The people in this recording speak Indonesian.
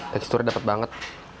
teksturnya dapat banget